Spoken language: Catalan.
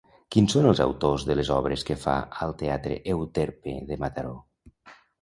Quins són els autors de les obres que fa al Teatre Euterpe de Mataró?